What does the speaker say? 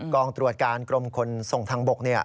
กล้องตรวจการกรมคนส่งทางบกเนี่ย